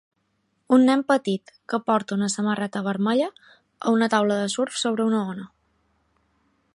Un nen petit, que porta una samarreta vermella, a una taula de surf sobre una ona.